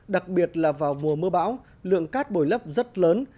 đặc biệt là vào mùa mưa bão lượng cát bồi lấp rất lớn